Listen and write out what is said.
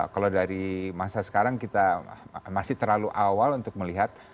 kalau dari masa sekarang kita masih terlalu awal untuk melihat